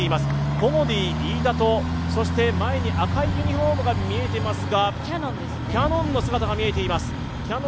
コモディイイダと前に赤いユニフォームが見えていますが、キヤノンの姿が見えています。